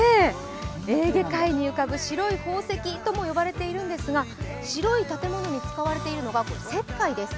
エーゲ海に浮かぶ白い宝石とも呼ばれているんですが白い建物に使われているのが石灰です。